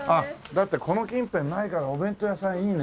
だってこの近辺ないからお弁当屋さんいいね。